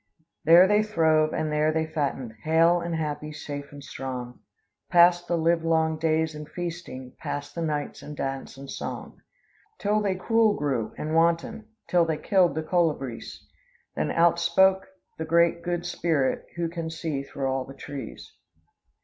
There they throve, and there they fattened. Hale and happy, safe and strong, Passed the livelong days in feasting, Passed the nights in dance and song. Till they cruel grew, and wanton, Till they killed the colibris, Then outspoke the Great good Spirit, Who can see through all the trees."